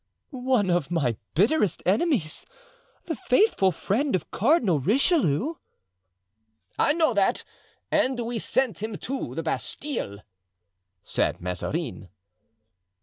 "One of my bitterest enemies—the faithful friend of Cardinal Richelieu." "I know that, and we sent him to the Bastile," said Mazarin.